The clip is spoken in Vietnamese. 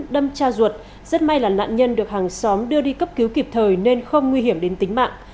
đâm cha ruột rất may là nạn nhân được hàng xóm đưa đi cấp cứu kịp thời nên không nguy hiểm đến tính mạng